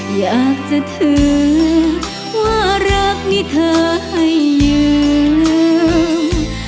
อยากจะถือว่ารักนี่เธอให้ยืม